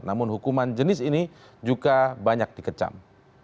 namun hukuman jenis ini juga banyak dikecam